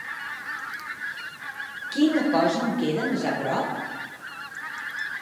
Quina cosa em queda més aprop?